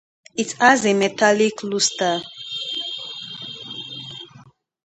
It has a metallic luster.